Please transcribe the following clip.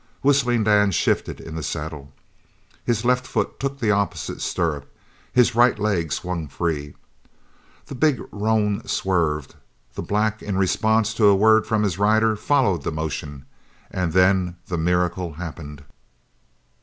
Whistling Dan shifted in the saddle. His left foot took the opposite stirrup. His right leg swung free. The big roan swerved the black in response to a word from his rider followed the motion and then the miracle happened.